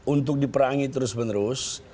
untuk diperangi terus menerus